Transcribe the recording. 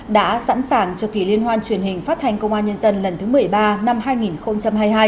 đã sẵn sàng cho kỳ liên hoan truyền hình phát thanh công an nhân dân lần thứ một mươi ba năm hai nghìn hai mươi hai